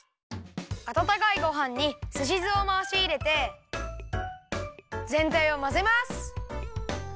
あたたかいごはんにすしずをまわしいれてぜんたいをまぜます！